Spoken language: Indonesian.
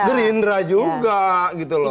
gerindra juga gitu loh